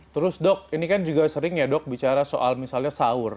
terus dok ini kan juga sering ya dok bicara soal misalnya sahur